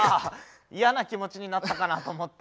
嫌な気持ちになったかなと思って。